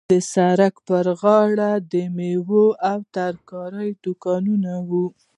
د سړک پر غاړه د میوو او ترکاریو دوکانونه وو.